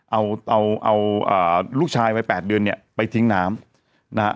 เอาลูกชายวัย๘เดือนเนี่ยไปทิ้งแม่น้ำ